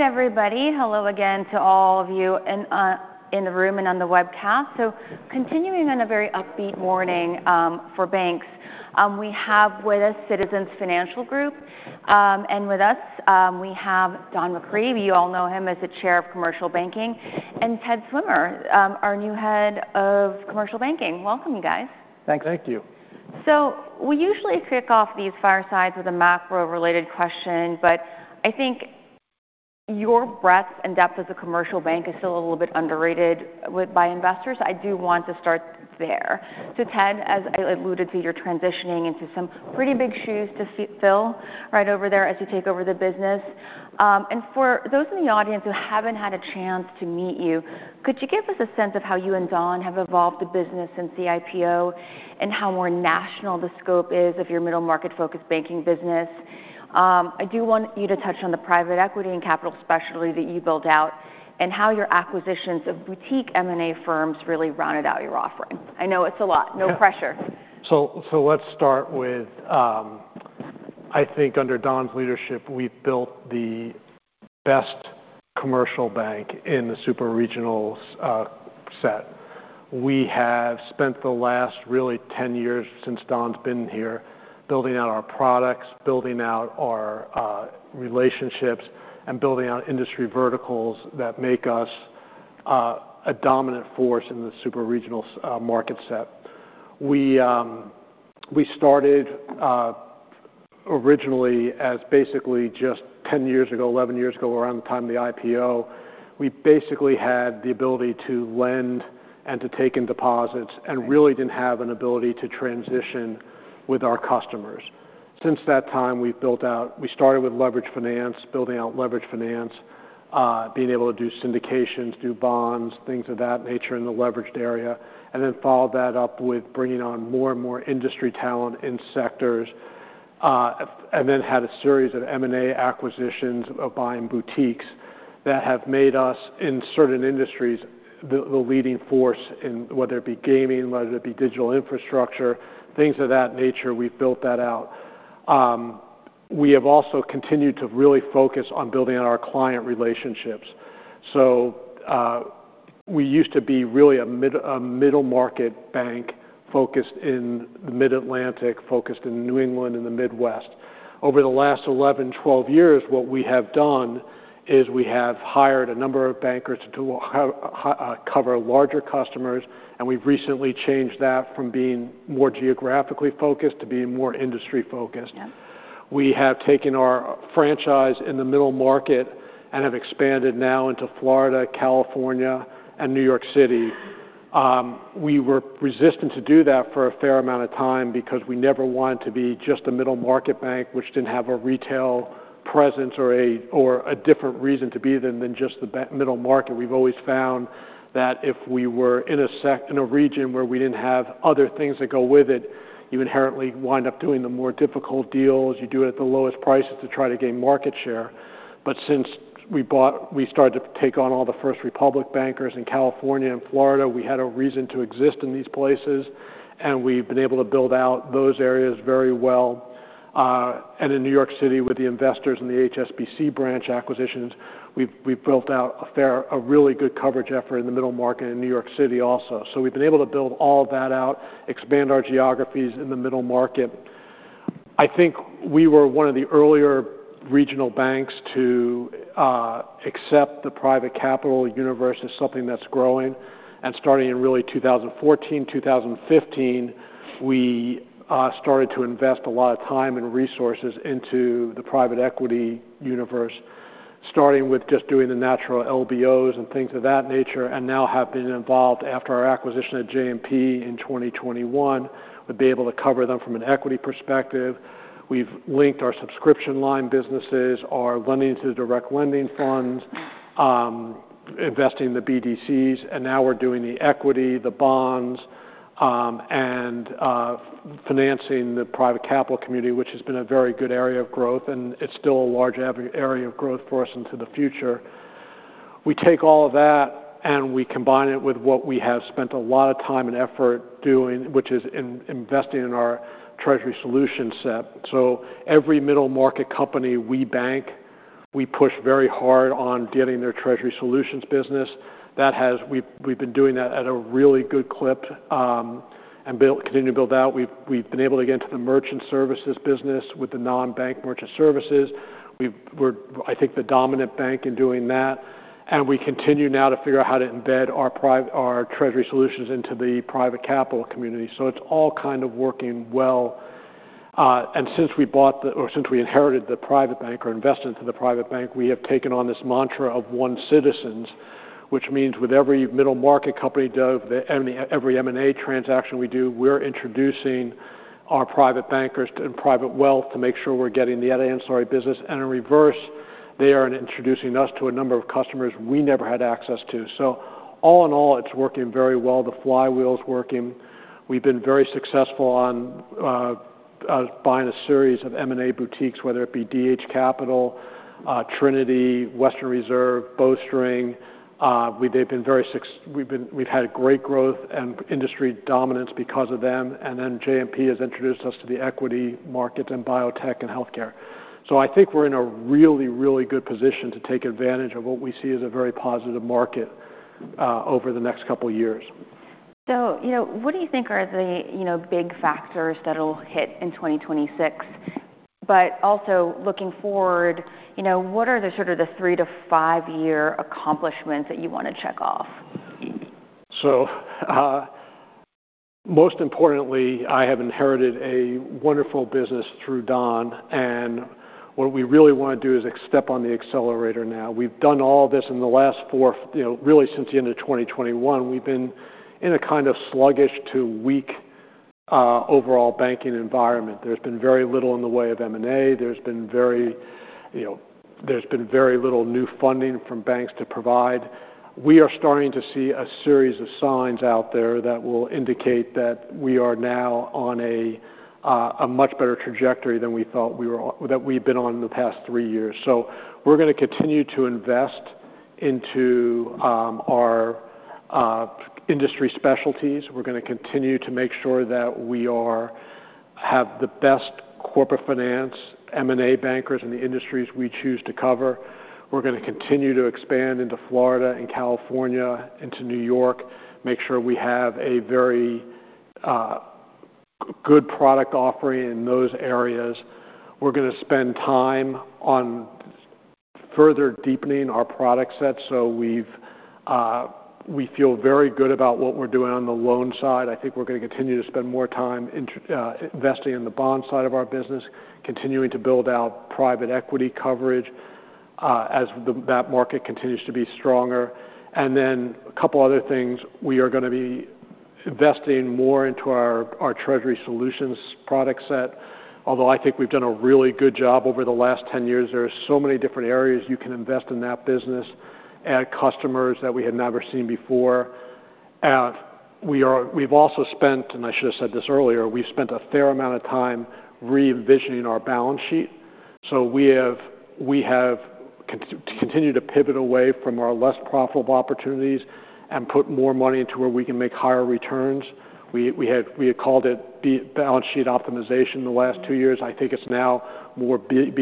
All right, everybody. Hello again to all of you in the room and on the webcast. So continuing on a very upbeat morning for banks, we have with us Citizens Financial Group, and with us, we have Don McCree. You all know him as the Chair of Commercial Banking. And Ted Swimmer, our new Head of Commercial Banking. Welcome, you guys. Thanks. Thank you. So we usually kick off these firesides with a macro-related question, but I think your breadth and depth as a commercial bank is still a little bit underrated by investors. I do want to start there. So Ted, as I alluded to, you're transitioning into some pretty big shoes to fill right over there as you take over the business. And for those in the audience who haven't had a chance to meet you, could you give us a sense of how you and Don have evolved the business since the IPO and how more national the scope is of your middle-market-focused banking business? I do want you to touch on the private equity and capital specialty that you built out and how your acquisitions of boutique M&A firms really rounded out your offering. I know it's a lot. No pressure. Let's start with, I think under Don's leadership, we've built the best commercial bank in the superregionals set. We have spent the last really 10 years since Don's been here building out our products, building out our relationships, and building out industry verticals that make us a dominant force in the superregionals market set. We started originally as basically just 10 years ago, 11 years ago, around the time of the IPO; we basically had the ability to lend and to take in deposits and really didn't have an ability to transition with our customers. Since that time, we've built out. We started with leveraged finance, building out leveraged finance, being able to do syndications, do bonds, things of that nature in the leveraged area, and then followed that up with bringing on more and more industry talent in sectors, and then had a series of M&A acquisitions of buying boutiques that have made us, in certain industries, the leading force in whether it be gaming, whether it be digital infrastructure, things of that nature. We've built that out. We have also continued to really focus on building out our client relationships. So, we used to be really a middle-market bank focused in the Mid-Atlantic, focused in New England, in the Midwest. Over the last 11, 12 years, what we have done is we have hired a number of bankers to cover larger customers, and we've recently changed that from being more geographically focused to being more industry-focused. Yep. We have taken our franchise in the middle market and have expanded now into Florida, California, and New York City. We were resistant to do that for a fair amount of time because we never wanted to be just a middle-market bank which didn't have a retail presence or a or a different reason to be than than just the be middle market. We've always found that if we were in a sec in a region where we didn't have other things that go with it, you inherently wind up doing the more difficult deals. You do it at the lowest prices to try to gain market share. But since we bought we started to take on all the First Republic bankers in California and Florida, we had a reason to exist in these places, and we've been able to build out those areas very well. and in New York City, with the Investors and the HSBC branch acquisitions, we've built out a fairly good coverage effort in the middle market in New York City also. So we've been able to build all of that out, expand our geographies in the middle market. I think we were one of the earlier regional banks to accept the private capital universe as something that's growing. And starting in really 2014, 2015, we started to invest a lot of time and resources into the private equity universe, starting with just doing the natural LBOs and things of that nature, and now have been involved after our acquisition of JMP in 2021 to be able to cover them from an equity perspective. We've linked our subscription line businesses, our lending to the direct Lending funds, investing in the BDCs, and now we're doing the equity, the bonds, and financing the private capital community, which has been a very good area of growth, and it's still a large avenue area of growth for us into the future. We take all of that, and we combine it with what we have spent a lot of time and effort doing, which is investing in our Treasury Solutions set. So every middle market company we bank, we push very hard on getting their Treasury Solutions business. That has. We've been doing that at a really good clip, and continue to build out. We've been able to get into the Merchant Services business with the non-bank Merchant Services. We're, I think, the dominant bank in doing that. We continue now to figure out how to embed our private, our treasury solutions into the private capital community. So it's all kind of working well. And since we inherited the private bank or invested into the private bank, we have taken on this mantra of One Citizens, which means with every middle-market company we do, the M&A every M&A transaction we do, we're introducing our private bankers and private wealth to make sure we're getting the private and treasury business. And in reverse, they are introducing us to a number of customers we never had access to. So all in all, it's working very well. The flywheel's working. We've been very successful on buying a series of M&A boutiques, whether it be DH Capital, Trinity, Western Reserve, Bowstring. We've had great growth and industry dominance because of them. And then JMP. has introduced us to the equity markets and biotech and healthcare. So I think we're in a really, really good position to take advantage of what we see as a very positive market, over the next couple of years. So, you know, what do you think are the, you know, big factors that'll hit in 2026? But also looking forward, you know, what are the sort of the three-five-year accomplishments that you wanna check off? So, most importantly, I have inherited a wonderful business through Don. And what we really wanna do is step on the accelerator now. We've done all this in the last four years, you know, really since the end of 2021. We've been in a kind of sluggish to weak, overall banking environment. There's been very little in the way of M&A. There's been very you know, there's been very little new funding from banks to provide. We are starting to see a series of signs out there that will indicate that we are now on a much better trajectory than we thought we were on that we've been on in the past three years. So we're gonna continue to invest into our industry specialties. We're gonna continue to make sure that we have the best corporate finance M&A bankers in the industries we choose to cover. We're gonna continue to expand into Florida and California into New York, make sure we have a very good product offering in those areas. We're gonna spend time on further deepening our product set. So we feel very good about what we're doing on the loan side. I think we're gonna continue to spend more time investing in the bond side of our business, continuing to build out private equity coverage, as that market continues to be stronger. And then a couple other things. We are gonna be investing more into our treasury solutions product set. Although I think we've done a really good job over the last 10 years, there are so many different areas you can invest in that business, add customers that we had never seen before. We've also spent, and I should have said this earlier, a fair amount of time re-envisioning our balance sheet. So we have continued to pivot away from our less profitable opportunities and put more money into where we can make higher returns. We had called it Balance Sheet Optimization the last two years. I think it's now more business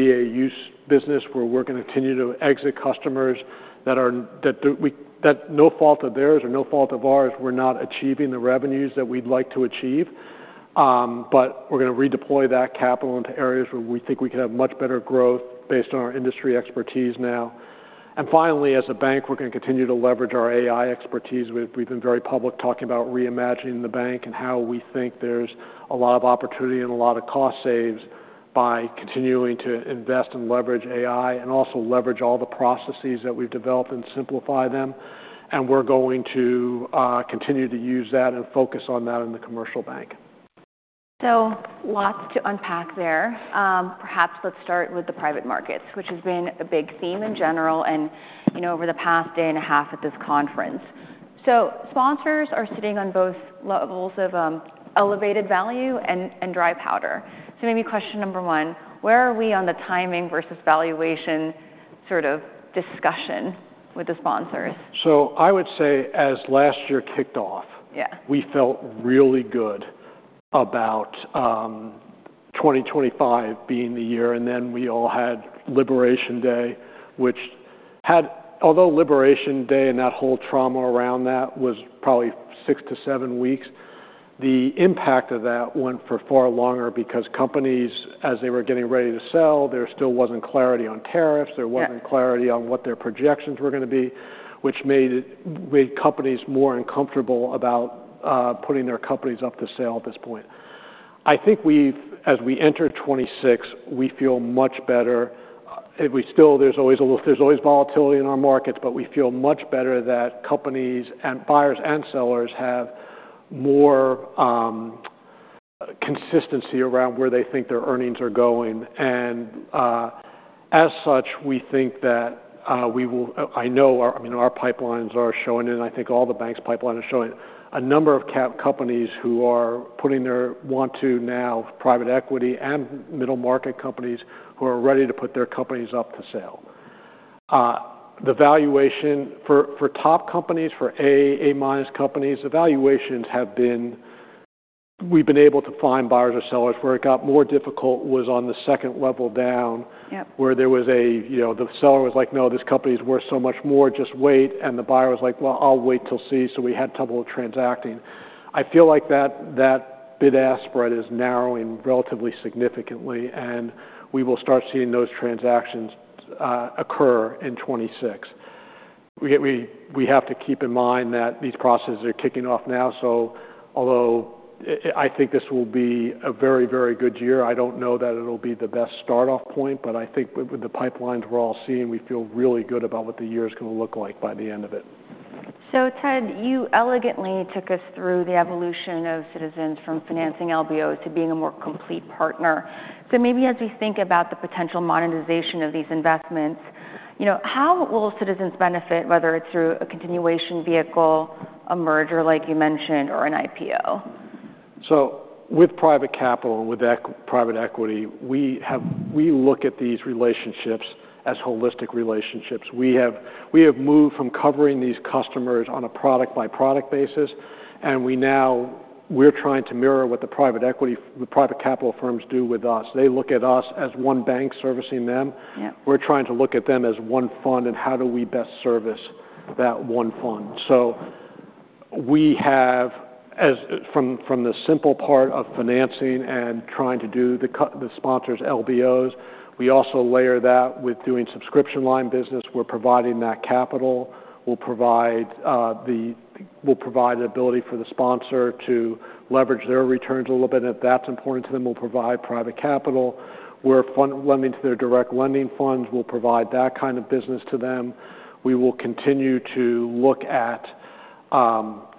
where we're gonna continue to exit customers that, through no fault of theirs or no fault of ours, we're not achieving the revenues that we'd like to achieve. But we're gonna redeploy that capital into areas where we think we could have much better growth based on our industry expertise now. And finally, as a bank, we're gonna continue to leverage our AI expertise. We've been very public talking about reimagining the bank and how we think there's a lot of opportunity and a lot of cost saves by continuing to invest and leverage AI and also leverage all the processes that we've developed and simplify them. We're going to continue to use that and focus on that in the commercial bank. So lots to unpack there. Perhaps let's start with the private markets, which has been a big theme in general and, you know, over the past day and a half at this conference. So sponsors are sitting on both levels of, elevated value and dry powder. So maybe question number one, where are we on the timing versus valuation sort of discussion with the sponsors? I would say as last year kicked off. Yeah. We felt really good about 2025 being the year. And then we all had Liberation Day, which had although Liberation Day and that whole trauma around that was probably six-seven weeks, the impact of that went for far longer because companies, as they were getting ready to sell, there still wasn't clarity on tariffs. There wasn't. Mm-hmm. Clarity on what their projections were gonna be, which made companies more uncomfortable about putting their companies up to sale at this point. I think, as we entered 2026, we feel much better. We still, there's always a little volatility in our markets, but we feel much better that companies and buyers and sellers have more consistency around where they think their earnings are going. And, as such, we think that we will. I know our—I mean, our pipelines are showing in. I think all the banks' pipeline is showing a number of cap companies, private equity and middle-market companies who are ready to put their companies up to sale. The valuation for top companies, for A, A-minus companies, the valuations have been—we've been able to find buyers or sellers. Where it got more difficult was on the second level down. Yep. Where there was a you know, the seller was like, "No, this company's worth so much more. Just wait." And the buyer was like, "Well, I'll wait and see." So we had trouble transacting. I feel like that bid-ask spread is narrowing relatively significantly, and we will start seeing those transactions occur in 2026. We have to keep in mind that these processes are kicking off now. So although I think this will be a very, very good year, I don't know that it'll be the best start-off point. But I think with the pipelines we're all seeing, we feel really good about what the year's gonna look like by the end of it. So, Ted, you elegantly took us through the evolution of Citizens from financing LBOs to being a more complete partner. So maybe as we think about the potential monetization of these investments, you know, how will Citizens benefit, whether it's through a continuation vehicle, a merger like you mentioned, or an IPO? So with private capital and with equity private equity, we look at these relationships as holistic relationships. We have moved from covering these customers on a product-by-product basis, and now we're trying to mirror what the private equity private capital firms do with us. They look at us as one bank servicing them. Yep. We're trying to look at them as one fund, and how do we best service that one fund? So we have from the simple part of financing and trying to do the sponsors' LBOs, we also layer that with doing subscription line business. We're providing that capital. We'll provide the ability for the sponsor to leverage their returns a little bit. If that's important to them, we'll provide private capital. We're fund lending to their direct lending funds. We'll provide that kind of business to them. We will continue to look at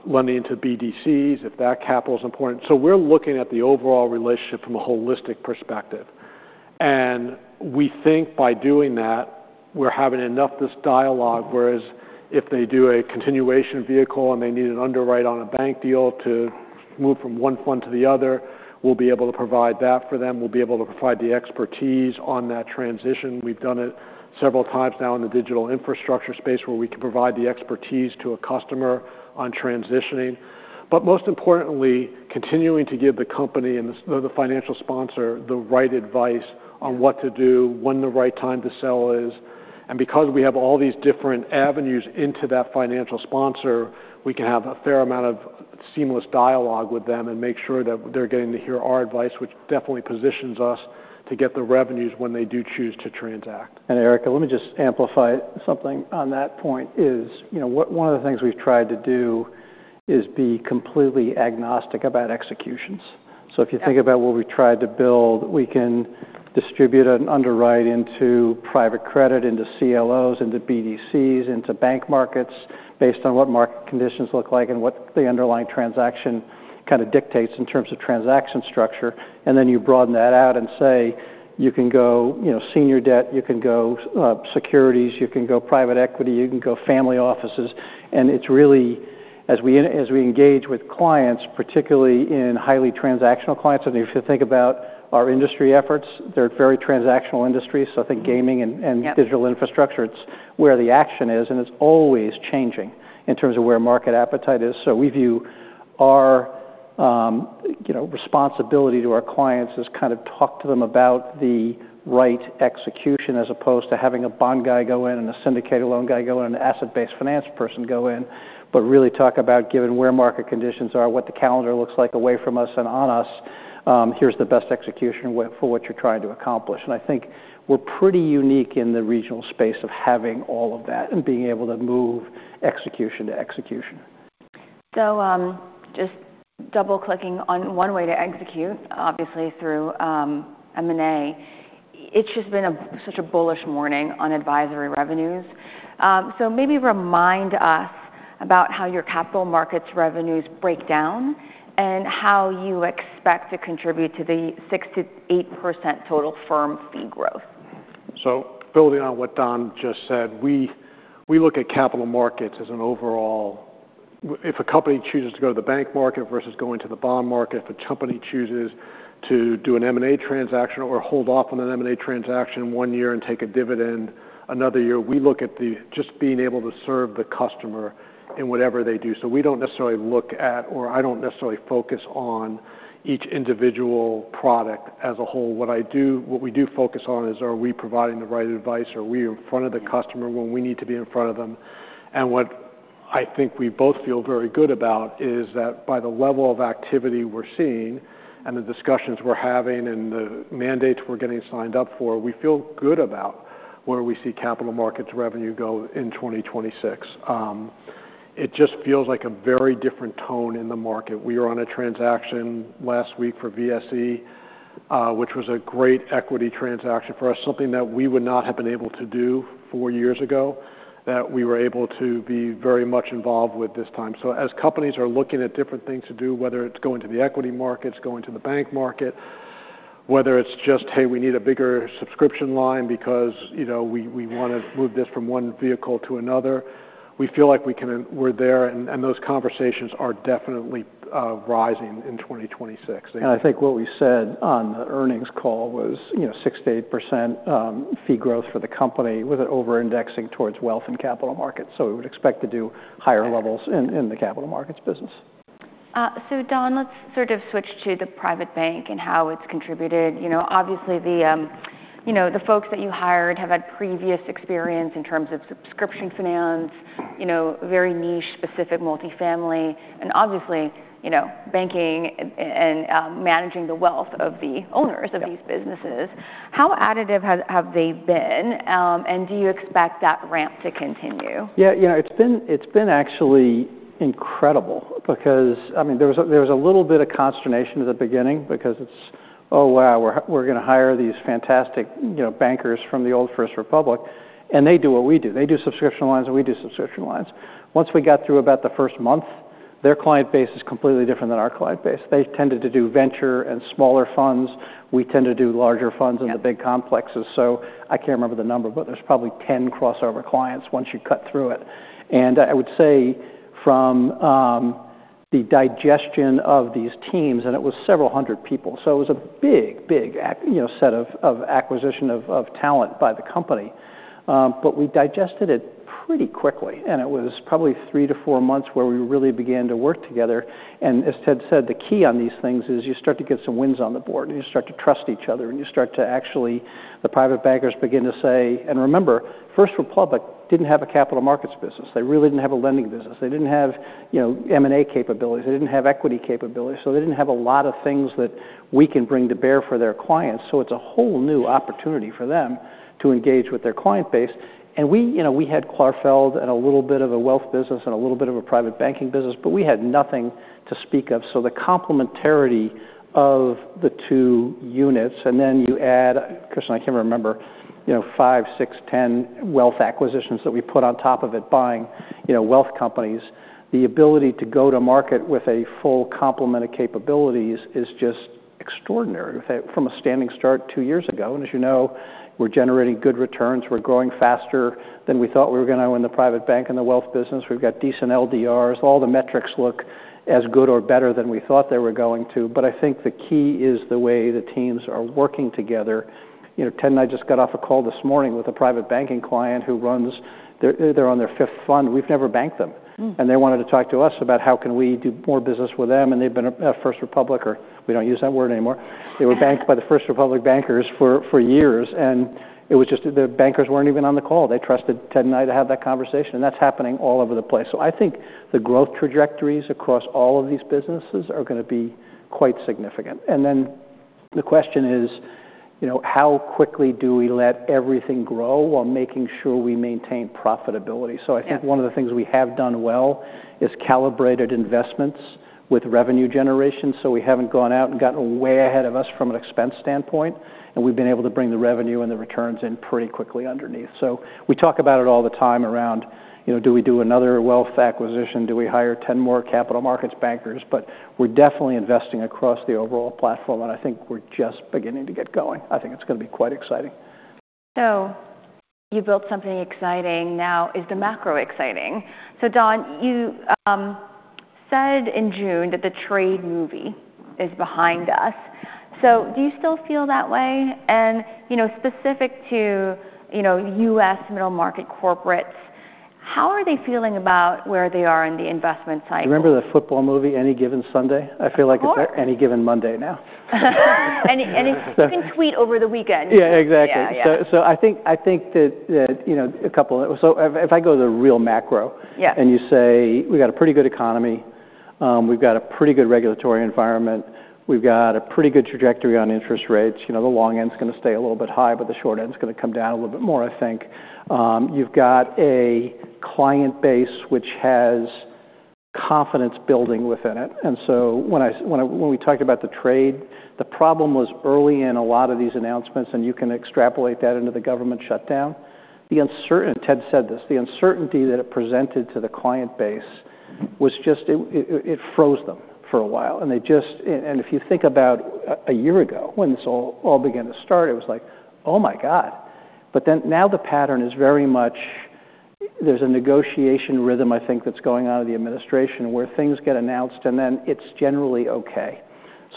lending to BDCs if that capital's important. So we're looking at the overall relationship from a holistic perspective. We think by doing that, we're having this dialogue, whereas if they do a continuation vehicle and they need an underwrite on a bank deal to move from one fund to the other, we'll be able to provide that for them. We'll be able to provide the expertise on that transition. We've done it several times now in the digital infrastructure space where we can provide the expertise to a customer on transitioning. But most importantly, continuing to give the company and the sponsor, the financial sponsor the right advice on what to do, when the right time to sell is. And because we have all these different avenues into that financial sponsor, we can have a fair amount of seamless dialogue with them and make sure that they're getting to hear our advice, which definitely positions us to get the revenues when they do choose to transact. Erica, let me just amplify something on that point. Is, you know, what one of the things we've tried to do is be completely agnostic about executions. So if you think about what we've tried to build, we can distribute an underwrite into private credit, into CLOs, into BDCs, into bank markets based on what market conditions look like and what the underlying transaction kinda dictates in terms of transaction structure. And then you broaden that out and say you can go, you know, senior debt, you can go, securities, you can go private equity, you can go family offices. And it's really as we as we engage with clients, particularly in highly transactional clients and if you think about our industry efforts, they're very transactional industries. So I think gaming and, and. Yep. Digital infrastructure, it's where the action is. And it's always changing in terms of where market appetite is. So we view our, you know, responsibility to our clients as kind of talk to them about the right execution as opposed to having a bond guy go in and a syndicated loan guy go in and an asset-based finance person go in, but really talk about given where market conditions are, what the calendar looks like away from us and on us, here's the best execution with for what you're trying to accomplish. And I think we're pretty unique in the regional space of having all of that and being able to move execution to execution. So, just double-clicking on one way to execute, obviously through M&A, it's just been such a bullish morning on advisory revenues. So maybe remind us about how your capital markets revenues break down and how you expect to contribute to the 6%-8% total firm fee growth. So building on what Don just said, we look at capital markets as an overall way if a company chooses to go to the bank market versus going to the bond market, if a company chooses to do an M&A transaction or hold off on an M&A transaction one year and take a dividend another year, we look at just being able to serve the customer in whatever they do. So we don't necessarily look at or I don't necessarily focus on each individual product as a whole. What we do focus on is are we providing the right advice? Are we in front of the customer when we need to be in front of them? What I think we both feel very good about is that by the level of activity we're seeing and the discussions we're having and the mandates we're getting signed up for, we feel good about where we see capital markets revenue go in 2026. It just feels like a very different tone in the market. We were on a transaction last week for VSE, which was a great equity transaction for us, something that we would not have been able to do four years ago that we were able to be very much involved with this time. So as companies are looking at different things to do, whether it's going to the equity markets, going to the bank market, whether it's just, "Hey, we need a bigger subscription line because, you know, we wanna move this from one vehicle to another," we feel like we can and we're there. And those conversations are definitely rising in 2026. They. I think what we said on the earnings call was, you know, 6%-8% fee growth for the company with it over-indexing towards wealth and capital markets. So we would expect to do higher levels in the capital markets business. So, Don, let's sort of switch to the private bank and how it's contributed. You know, obviously, you know, the folks that you hired have had previous experience in terms of subscription finance, you know, very niche-specific multifamily. And obviously, you know, banking and managing the wealth of the owners. Yeah. Of these businesses. How additive have they been? Do you expect that ramp to continue? Yeah. You know, it's been actually incredible because, I mean, there was a little bit of consternation at the beginning because it's, "Oh, wow. We're gonna hire these fantastic, you know, bankers from the old First Republic. And they do what we do. They do subscription lines, and we do subscription lines." Once we got through about the first month, their client base is completely different than our client base. They tended to do venture and smaller funds. We tend to do larger funds. Yeah. In the big complexes. So I can't remember the number, but there's probably 10 crossover clients once you cut through it. And I would say from the digestion of these teams and it was several hundred people. So it was a big, big acquisition, you know, set of acquisition of talent by the company. But we digested it pretty quickly. And it was probably three-four months where we really began to work together. And as Ted said, the key on these things is you start to get some wins on the board, and you start to trust each other, and you start to actually, the private bankers begin to say, and remember, First Republic didn't have a capital markets business. They really didn't have a lending business. They didn't have, you know, M&A capabilities. They didn't have equity capabilities. So they didn't have a lot of things that we can bring to bear for their clients. So it's a whole new opportunity for them to engage with their client base. And we, you know, we had Clarfeld and a little bit of a wealth business and a little bit of a private banking business, but we had nothing to speak of. So the complementarity of the two units and then you add Kristin. I can't remember, you know, five, six, 10 wealth acquisitions that we put on top of it buying, you know, wealth companies. The ability to go to market with a full complement of capabilities is just extraordinary. We've had from a standing start two years ago. And as you know, we're generating good returns. We're growing faster than we thought we were gonna in the private bank and the wealth business. We've got decent LDRs. All the metrics look as good or better than we thought they were going to. But I think the key is the way the teams are working together. You know, Ted and I just got off a call this morning with a private banking client who runs their—they're on their fifth fund. We've never banked them. Mm-hmm. They wanted to talk to us about how can we do more business with them. They've been a First Republic or we don't use that word anymore. They were banked by the First Republic bankers for, for years. It was just the bankers weren't even on the call. They trusted Ted and I to have that conversation. That's happening all over the place. So I think the growth trajectories across all of these businesses are gonna be quite significant. Then the question is, you know, how quickly do we let everything grow while making sure we maintain profitability? So I think. Yep. One of the things we have done well is calibrated investments with revenue generation. So we haven't gone out and gotten way ahead of us from an expense standpoint. And we've been able to bring the revenue and the returns in pretty quickly underneath. So we talk about it all the time around, you know, do we do another wealth acquisition? Do we hire 10 more capital markets bankers? But we're definitely investing across the overall platform. And I think we're just beginning to get going. I think it's gonna be quite exciting. So you built something exciting. Now, is the macro exciting? So Don, you said in June that the trade war is behind us. So do you still feel that way? And, you know, specific to, you know, U.S. middle-market corporates, how are they feeling about where they are in the investment cycle? Do you remember the football movie Any Given Sunday? I feel like it's. Or. Any given Monday now. Any, any. So. You can tweet over the weekend. Yeah. Exactly. Yeah. Yeah. So I think that, you know, if I go to the real macro. Yeah. You say we got a pretty good economy. We've got a pretty good regulatory environment. We've got a pretty good trajectory on interest rates. You know, the long end's gonna stay a little bit high, but the short end's gonna come down a little bit more, I think. You've got a client base which has confidence building within it. And so when we talked about the trade, the problem was early in a lot of these announcements, and you can extrapolate that into the government shutdown, the uncertainty Ted said this, the uncertainty that it presented to the client base was just it froze them for a while. And they just and if you think about a year ago when this all began to start, it was like, "Oh, my God." But then now the pattern is very much there's a negotiation rhythm, I think, that's going on in the administration where things get announced, and then it's generally okay.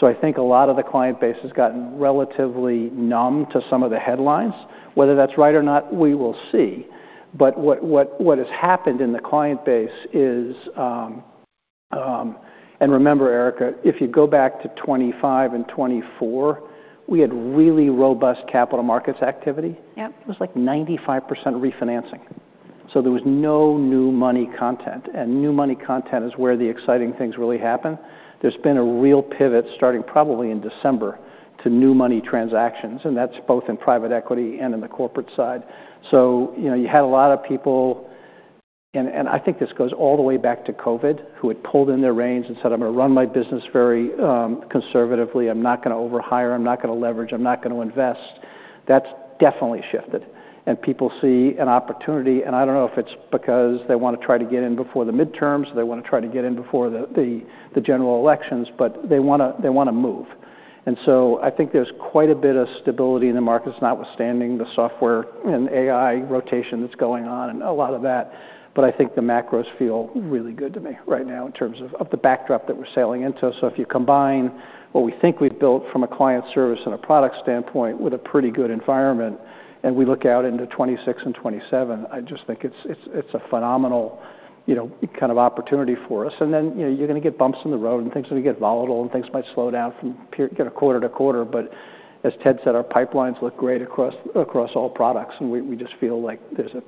So I think a lot of the client base has gotten relatively numb to some of the headlines. Whether that's right or not, we will see. But what has happened in the client base is, and remember, Erica, if you go back to 2025 and 2024, we had really robust capital markets activity. Yep. It was like 95% refinancing. So there was no new money content. And new money content is where the exciting things really happen. There's been a real pivot starting probably in December to new money transactions. And that's both in private equity and in the corporate side. So, you know, you had a lot of people and, and I think this goes all the way back to COVID who had pulled in their reins and said, "I'm gonna run my business very, conservatively. I'm not gonna overhire. I'm not gonna leverage. I'm not gonna invest." That's definitely shifted. And people see an opportunity. And I don't know if it's because they wanna try to get in before the midterms, they wanna try to get in before the general elections, but they wanna they wanna move. And so I think there's quite a bit of stability in the markets. Notwithstanding the software and AI rotation that's going on and a lot of that, but I think the macros feel really good to me right now in terms of the backdrop that we're sailing into. So if you combine what we think we've built from a client service and a product standpoint with a pretty good environment, and we look out into 2026 and 2027, I just think it's a phenomenal, you know, kind of opportunity for us. And then, you know, you're gonna get bumps in the road, and things are gonna get volatile, and things might slow down from peak to peak, quarter to quarter. But as Ted said, our pipelines look great across all products. And we just feel like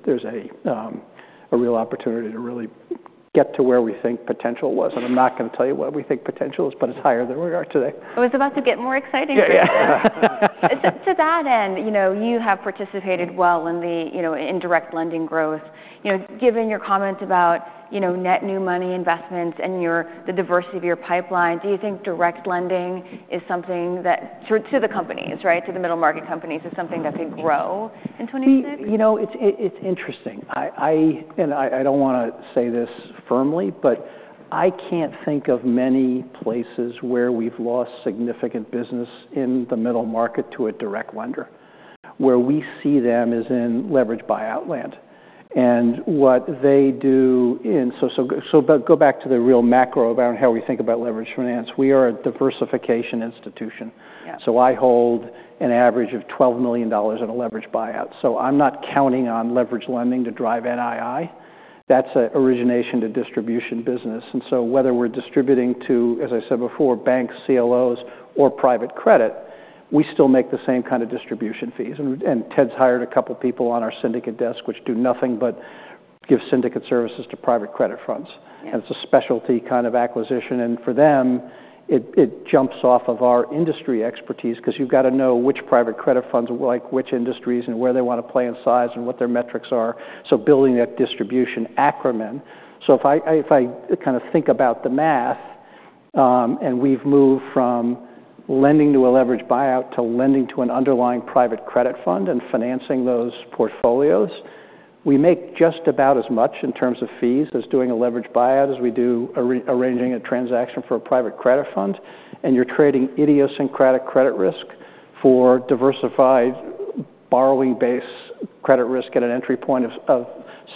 there's a real opportunity to really get to where we think potential was. I'm not gonna tell you what we think potential is, but it's higher than we are today. I was about to get more excited for you. Yeah. To that end, you know, you have participated well in the, you know, indirect lending growth. You know, given your comment about, you know, net new money investments and the diversity of your pipeline, do you think direct lending is something that to the companies, right, to the middle-market companies, is something that could grow in 2026? You know, it's interesting. I don't wanna say this firmly, but I can't think of many places where we've lost significant business in the middle market to a direct lender. Where we see them is in leveraged buyout land. And what they do, so go back to the real macro about how we think about leveraged finance. We are a diversification institution. Yeah. So I hold an average of $12 million in a leveraged buyout. So I'm not counting on leveraged lending to drive NII. That's an origination to distribution business. And so whether we're distributing to, as I said before, banks, CLOs, or private credit, we still make the same kind of distribution fees. And Ted's hired a couple people on our syndicate desk which do nothing but give syndicate services to private credit funds. Yeah. It's a specialty kind of acquisition. And for them, it jumps off of our industry expertise 'cause you've gotta know which private credit funds are like which industries and where they wanna play in size and what their metrics are. So building that distribution acronym. So if I kinda think about the math, and we've moved from lending to a leveraged buyout to lending to an underlying private credit fund and financing those portfolios, we make just about as much in terms of fees as doing a leveraged buyout as we do arranging a transaction for a private credit fund. And you're trading idiosyncratic credit risk for diversified borrowing-based credit risk at an entry point of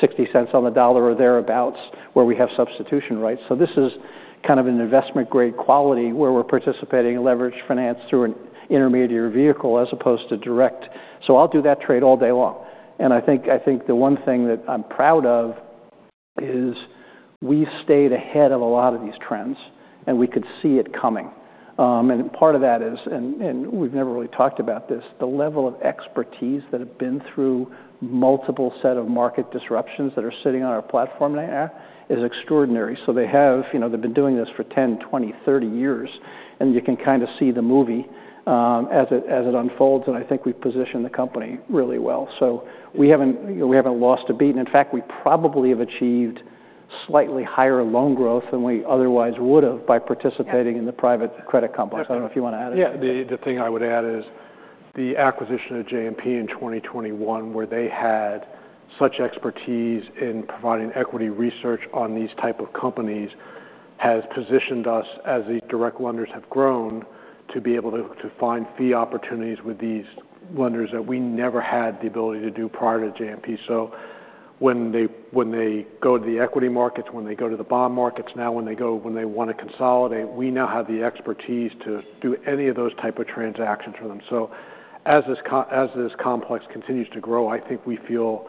60 cents on the dollar or thereabouts where we have substitution rights. So this is kind of an investment-grade quality where we're participating in leveraged finance through an intermediary vehicle as opposed to direct. So I'll do that trade all day long. And I think I think the one thing that I'm proud of is we stayed ahead of a lot of these trends, and we could see it coming. And part of that is and, and we've never really talked about this, the level of expertise that have been through multiple sets of market disruptions that are sitting on our platform right now is extraordinary. So they have you know, they've been doing this for 10, 20, 30 years. And you can kinda see the movie, as it as it unfolds. And I think we've positioned the company really well. So we haven't you know, we haven't lost a beat. In fact, we probably have achieved slightly higher loan growth than we otherwise would have by participating in the private credit complex. I don't know if you wanna add anything. Yeah. The thing I would add is the acquisition of JMP in 2021 where they had such expertise in providing equity research on these type of companies has positioned us as the direct lenders have grown to be able to find fee opportunities with these lenders that we never had the ability to do prior to JMP. So when they go to the equity markets, when they go to the bond markets, now when they wanna consolidate, we now have the expertise to do any of those type of transactions for them. So as this complex continues to grow, I think we feel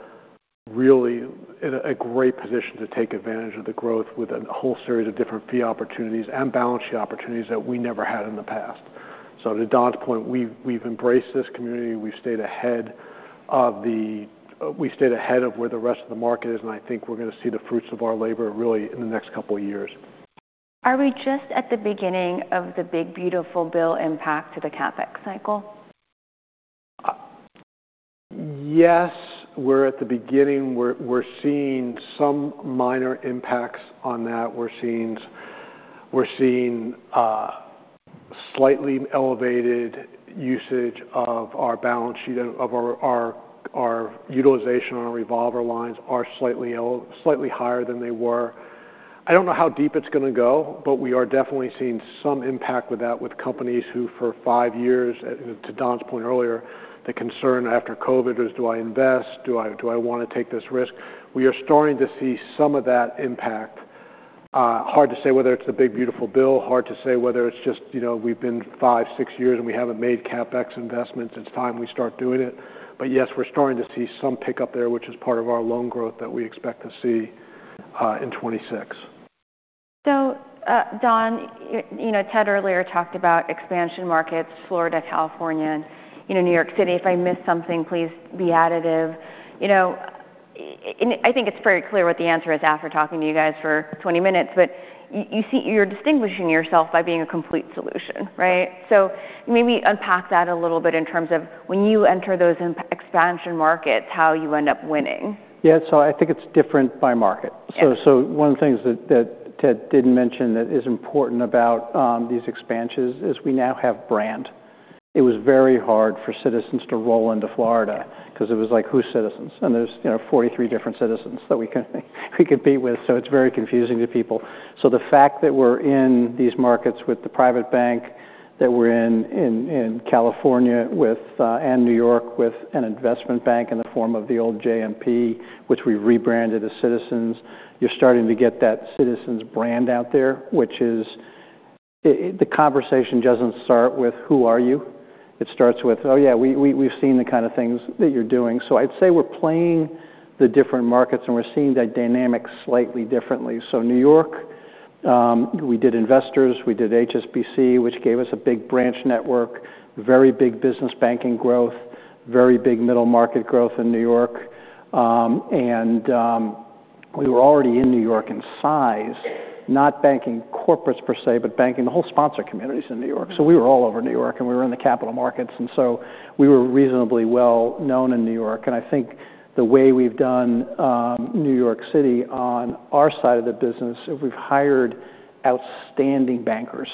really in a great position to take advantage of the growth with a whole series of different fee opportunities and balance sheet opportunities that we never had in the past. So to Don's point, we've embraced this community. We've stayed ahead of where the rest of the market is. And I think we're gonna see the fruits of our labor really in the next couple of years. Are we just at the beginning of the big, beautiful bill impact to the CapEx cycle? Yes. We're at the beginning. We're seeing some minor impacts on that. We're seeing slightly elevated usage of our balance sheet and of our utilization on our revolver lines are slightly higher than they were. I don't know how deep it's gonna go, but we are definitely seeing some impact with that with companies who, for five years, you know, to Don's point earlier, the concern after COVID was, "Do I invest? Do I wanna take this risk?" We are starting to see some of that impact. Hard to say whether it's the big, beautiful bill. Hard to say whether it's just, you know, we've been five, six years, and we haven't made CapEx investments. It's time we start doing it. But yes, we're starting to see some pickup there, which is part of our loan growth that we expect to see, in 2026. So, Don, you know, Ted earlier talked about expansion markets, Florida and California, and, you know, New York City. If I missed something, please be additive. You know, and I think it's very clear what the answer is after talking to you guys for 20 minutes. But you see you're distinguishing yourself by being a complete solution, right? So maybe unpack that a little bit in terms of when you enter those in expansion markets, how you end up winning. Yeah. So I think it's different by market. Yeah. So, one of the things that Ted didn't mention that is important about these expansions is we now have brand. It was very hard for Citizens to roll into Florida 'cause it was like, "Who's Citizens?" And there's, you know, 43 different citizens that we could be with. So it's very confusing to people. So the fact that we're in these markets with the private bank that we're in in California with, and New York with an investment bank in the form of the old JMP, which we rebranded as Citizens, you're starting to get that Citizens brand out there, which is it the conversation doesn't start with, "Who are you?" It starts with, "Oh, yeah. We, we, we've seen the kind of things that you're doing." So I'd say we're playing the different markets, and we're seeing that dynamic slightly differently. So New York, we did Investors. We did HSBC, which gave us a big branch network, very big business banking growth, very big middle-market growth in New York. And, we were already in New York in size, not banking corporates per se, but banking the whole sponsor communities in New York. So we were all over New York, and we were in the capital markets. And so we were reasonably well known in New York. And I think the way we've done New York City on our side of the business, we've hired outstanding bankers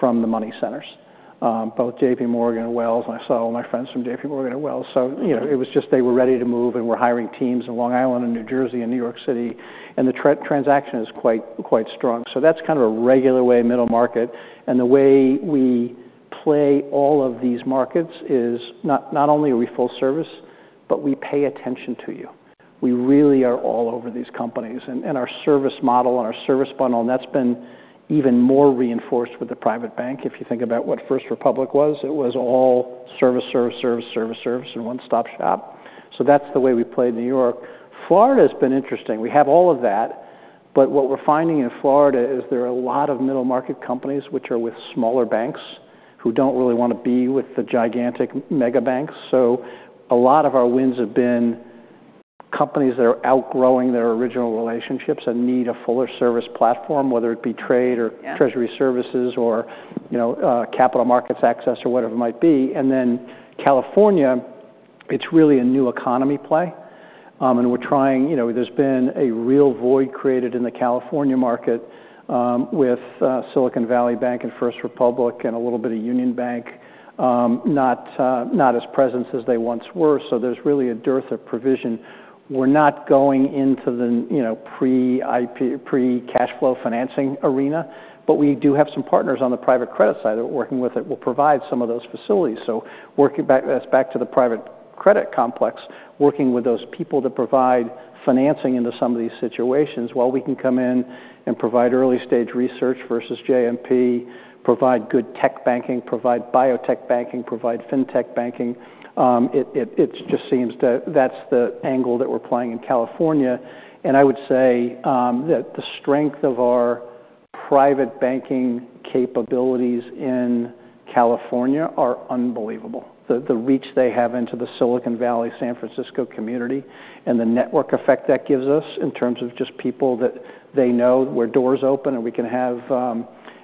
from the money centers, both J.P. Morgan and Wells. And I saw all my friends from J.P. Morgan and Wells. So, you know, it was just they were ready to move, and we're hiring teams in Long Island and New Jersey and New York City. And the transaction is quite, quite strong. So that's kind of a regular way middle market. And the way we play all of these markets is not only are we full service, but we pay attention to you. We really are all over these companies. And our service model and our service bundle, and that's been even more reinforced with the private bank. If you think about what First Republic was, it was all service, service, service, service, service, and one-stop shop. So that's the way we played New York. Florida's been interesting. We have all of that. But what we're finding in Florida is there are a lot of middle-market companies which are with smaller banks who don't really wanna be with the gigantic mega banks. So a lot of our wins have been companies that are outgrowing their original relationships and need a fuller service platform, whether it be trade or. Yeah. Treasury services or, you know, capital markets access or whatever it might be. And then California, it's really a new economy play. And we're trying, you know, there's been a real void created in the California market, with Silicon Valley Bank and First Republic and a little bit of Union Bank, not, not as present as they once were. So there's really a dearth of provision. We're not going into the, you know, pre-IP pre-cash flow financing arena, but we do have some partners on the private credit side that we're working with that will provide some of those facilities. So working back that's back to the private credit complex, working with those people that provide financing into some of these situations while we can come in and provide early-stage research versus J&P, provide good tech banking, provide biotech banking, provide fintech banking. It just seems to that's the angle that we're playing in California. And I would say that the strength of our private banking capabilities in California are unbelievable, the reach they have into the Silicon Valley, San Francisco community, and the network effect that gives us in terms of just people that they know where doors open and we can have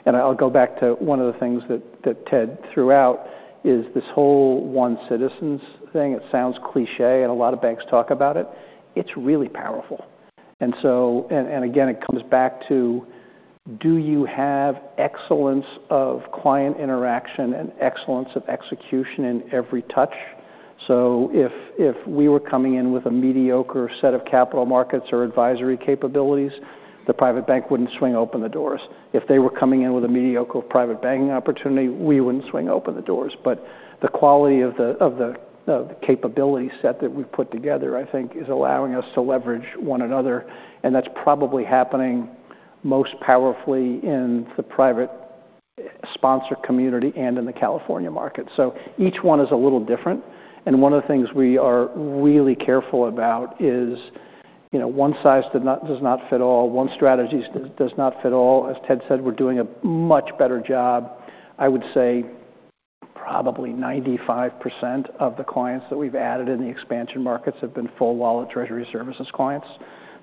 and I'll go back to one of the things that Ted threw out is this whole One Citizens thing. It sounds cliché, and a lot of banks talk about it. It's really powerful. And so, again, it comes back to, do you have excellence of client interaction and excellence of execution in every touch? So if we were coming in with a mediocre set of capital markets or advisory capabilities, the private bank wouldn't swing open the doors. If they were coming in with a mediocre private banking opportunity, we wouldn't swing open the doors. But the quality of the capability set that we've put together, I think, is allowing us to leverage one another. And that's probably happening most powerfully in the private sponsor community and in the California market. So each one is a little different. And one of the things we are really careful about is, you know, one size does not fit all. One strategy does not fit all. As Ted said, we're doing a much better job. I would say probably 95% of the clients that we've added in the expansion markets have been full-wallet Treasury services clients.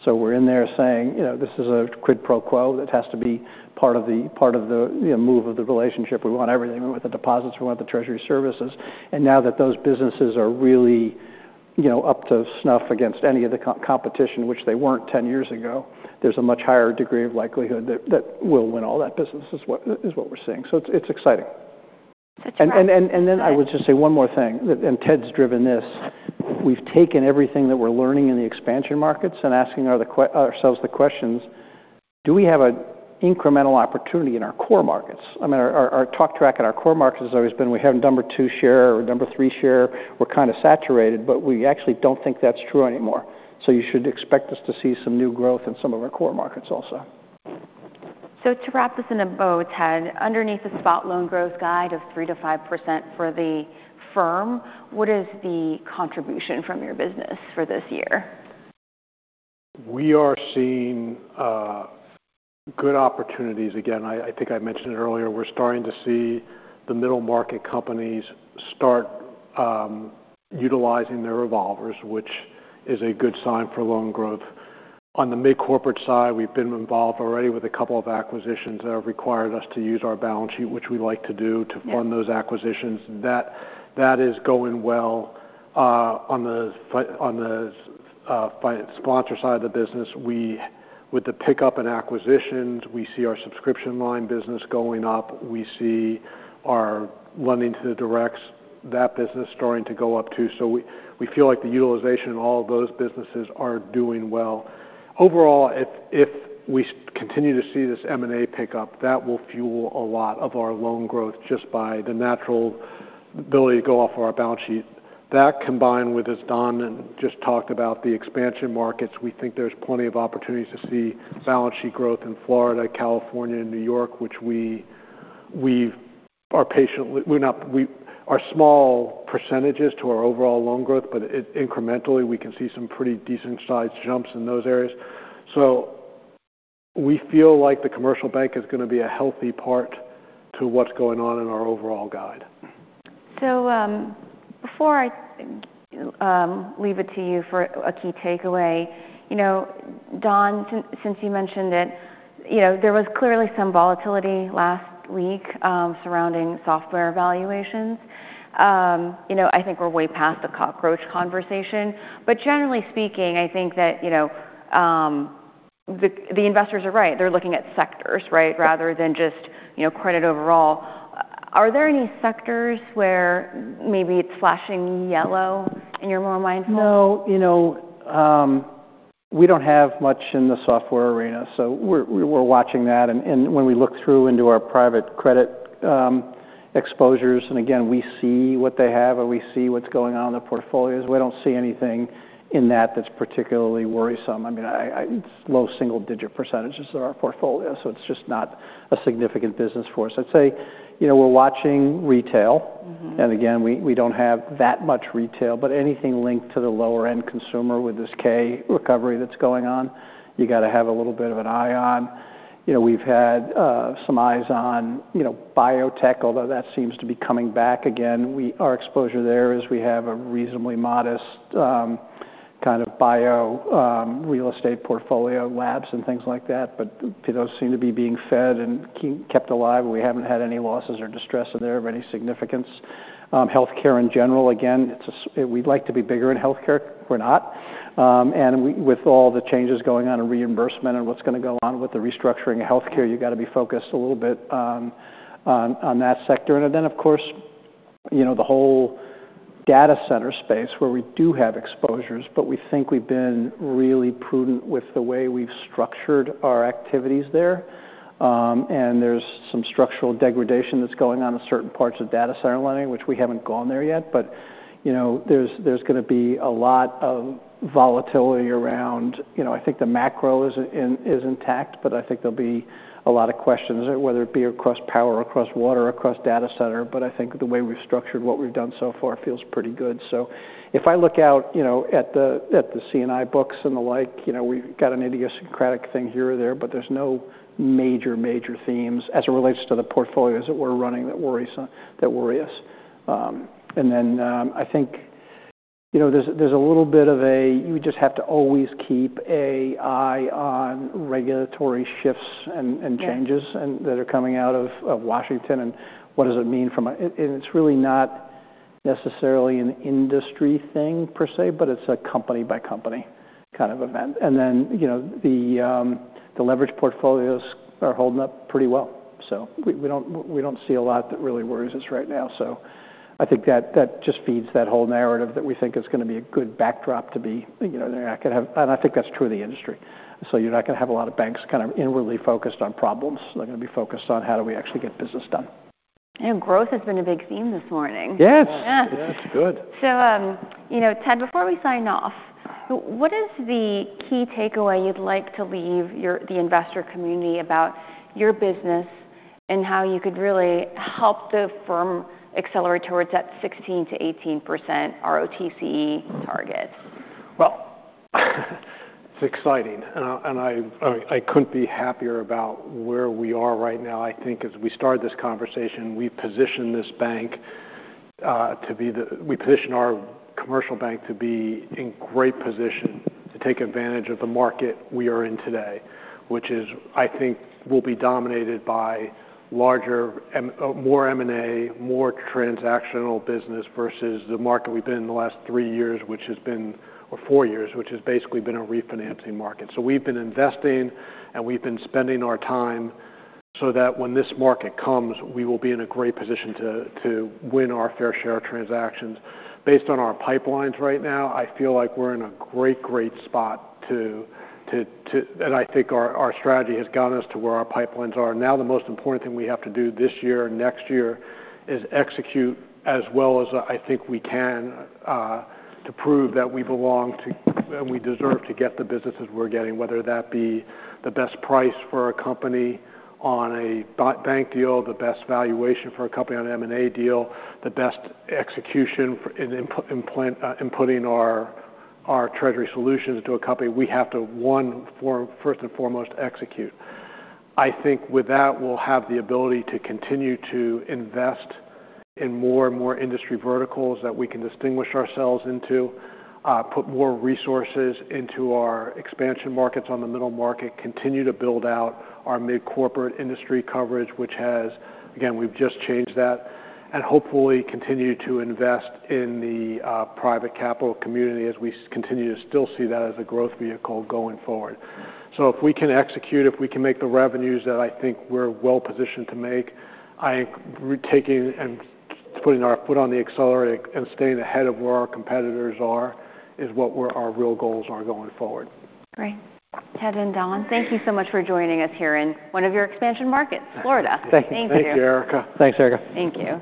So we're in there saying, you know, this is a quid pro quo that has to be part of the, you know, move of the relationship. We want everything. We want the deposits. We want the Treasury services. And now that those businesses are really, you know, up to snuff against any of the competition, which they weren't 10 years ago, there's a much higher degree of likelihood that, that we'll win all that business is what is what we're seeing. So it's, it's exciting. Such a wonderful. Then I would just say one more thing, and Ted's driven this. We've taken everything that we're learning in the expansion markets and asking ourselves the questions, "Do we have an incremental opportunity in our core markets?" I mean, our talk track in our core markets has always been, "We have number two share or number three share. We're kinda saturated." But we actually don't think that's true anymore. So you should expect us to see some new growth in some of our core markets also. So to wrap this in a bow, Ted, underneath the spotloan growth guide of 3%-5% for the firm, what is the contribution from your business for this year? We are seeing good opportunities. Again, I think I mentioned it earlier. We're starting to see the middle-market companies start utilizing their revolvers, which is a good sign for loan growth. On the mid-corporate side, we've been involved already with a couple of acquisitions that have required us to use our balance sheet, which we like to do to fund those acquisitions. That is going well. On the financial sponsor side of the business, we, with the pickup in acquisitions, see our subscription line business going up. We see our lending to the directs, that business starting to go up too. So we feel like the utilization in all of those businesses are doing well. Overall, if we continue to see this M&A pickup, that will fuel a lot of our loan growth just by the natural ability to go off of our balance sheet. That combined with, as Don just talked about, the expansion markets, we think there's plenty of opportunities to see balance sheet growth in Florida, California, and New York, which we are small percentages to our overall loan growth. But incrementally, we can see some pretty decent-sized jumps in those areas. So we feel like the commercial bank is gonna be a healthy part to what's going on in our overall guide. So, before I leave it to you for a key takeaway, you know, Don, since you mentioned it, you know, there was clearly some volatility last week surrounding software valuations. You know, I think we're way past the cockroach conversation. But generally speaking, I think that, you know, the investors are right. They're looking at sectors, right, rather than just, you know, credit overall. Are there any sectors where maybe it's flashing yellow and you're more mindful? No. You know, we don't have much in the software arena. So we're watching that. And when we look through into our private credit exposures and again, we see what they have, and we see what's going on in the portfolios. We don't see anything in that that's particularly worrisome. I mean, it's low single-digit % of our portfolio. So it's just not a significant business for us. I'd say, you know, we're watching retail. Mm-hmm. And again, we don't have that much retail. But anything linked to the lower-end consumer with this K recovery that's going on, you gotta have a little bit of an eye on. You know, we've had some eyes on, you know, biotech, although that seems to be coming back again. Our exposure there is we have a reasonably modest, kind of biotech real estate portfolio, labs, and things like that. But those seem to be being fed and kept alive. We haven't had any losses or distress in there of any significance. Healthcare in general, again, it's a sector we'd like to be bigger in healthcare. We're not. And with all the changes going on in reimbursement and what's gonna go on with the restructuring of healthcare, you gotta be focused a little bit on, on, on that sector. And then, of course, you know, the whole data center space where we do have exposures, but we think we've been really prudent with the way we've structured our activities there. And there's some structural degradation that's going on in certain parts of data center lending, which we haven't gone there yet. But, you know, there's gonna be a lot of volatility around, you know. I think the macro isn't intact. But I think there'll be a lot of questions there, whether it be across power, across water, across data center. But I think the way we've structured what we've done so far feels pretty good. So if I look out, you know, at the CNI books and the like, you know, we've got an idiosyncratic thing here or there, but there's no major, major themes as it relates to the portfolios that we're running that worry so that worry us. And then, I think, you know, there's a little bit of a, you just have to always keep an eye on regulatory shifts and changes. Mm-hmm. And that are coming out of Washington. And what does it mean from a—it's really not necessarily an industry thing per se, but it's a company-by-company kind of event. And then, you know, the leverage portfolios are holding up pretty well. So we don't see a lot that really worries us right now. So I think that just feeds that whole narrative that we think it's gonna be a good backdrop to be. You know, you're not gonna have and I think that's true of the industry. So you're not gonna have a lot of banks kind of inwardly focused on problems. They're gonna be focused on, "How do we actually get business done? Growth has been a big theme this morning. Yes. Yeah. This is good. So, you know, Ted, before we sign off, what is the key takeaway you'd like to leave with the investor community about your business and how you could really help the firm accelerate towards that 16%-18% ROTCE target? Well, it's exciting. I mean, I couldn't be happier about where we are right now. I think as we started this conversation, we've positioned this bank to be—we positioned our commercial bank to be in great position to take advantage of the market we are in today, which is, I think, will be dominated by larger, more M&A, more transactional business versus the market we've been in the last three or four years, which has basically been a refinancing market. So we've been investing, and we've been spending our time so that when this market comes, we will be in a great position to win our fair share of transactions. Based on our pipelines right now, I feel like we're in a great, great spot to and I think our strategy has gotten us to where our pipelines are. Now, the most important thing we have to do this year and next year is execute as well as, I think we can, to prove that we belong to and we deserve to get the businesses we're getting, whether that be the best price for a company on a bond deal, the best valuation for a company on an M&A deal, the best execution for implementing our Treasury Solutions to a company. We have to, one, first and foremost, execute. I think with that, we'll have the ability to continue to invest in more and more industry verticals that we can distinguish ourselves into, put more resources into our expansion markets on the middle market, continue to build out our mid-corporate industry coverage, which has, again, we've just changed that, and hopefully continue to invest in the private capital community as we continue to still see that as a growth vehicle going forward. So if we can execute, if we can make the revenues that I think we're well-positioned to make, I think we're taking and putting our foot on the accelerator and staying ahead of where our competitors are is what our real goals are going forward. Great. Ted and Don, thank you so much for joining us here in one of your expansion markets, Florida. Thank you. Thank you. Thank you, Erica. Thanks, Erica. Thank you.